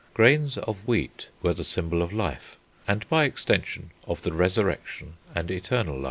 Grains of wheat were the symbol of life, and, by extension, of the resurrection and eternal life.